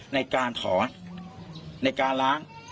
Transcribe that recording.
ในการถอนในการล้าง